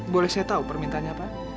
boleh saya tahu permintanya pak